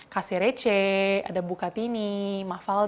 kasi receh ada bukatini mafalda